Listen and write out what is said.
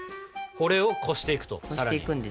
これをこしていくとさらに。